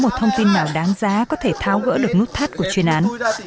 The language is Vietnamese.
một thông tin nào đáng giá có thể tháo gỡ được nút thắt của chuyên án